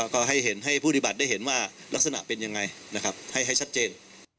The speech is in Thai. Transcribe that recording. ก็ให้ผู้ปฏิบัติได้เห็นว่าลักษณะเป็นยังไงนะครับให้ชัดเจน